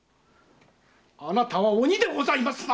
あなたは鬼でございますな！